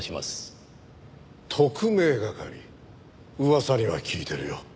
特命係噂には聞いてるよ。